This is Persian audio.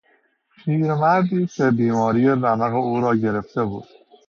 پیرمردی که بیماری رمق او را گرفته بود